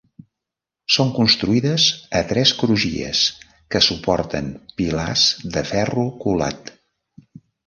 Són construïdes a tres crugies que suporten pilars de ferro colat.